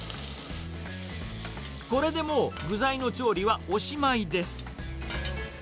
これでもう、具材の調理はおしまいです。